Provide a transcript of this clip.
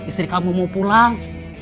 istri kamu mau pulang